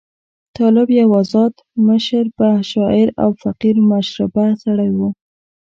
طالب یو آزاد مشربه شاعر او فقیر مشربه سړی وو.